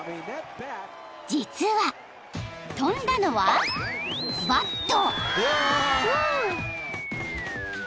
［実は飛んだのはバット］